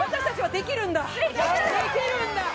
できるんだ！